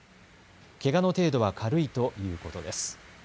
けがの程度は軽いということです。